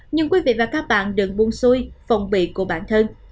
nhưng quý vị và các bạn đừng buôn xuôi phòng bị của bản thân